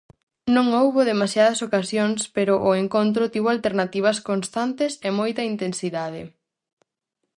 Non houbo demasiadas ocasións pero o encontro tivo alternativas constantes e moita intensidade.